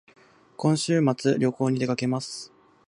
今週末旅行に出かけます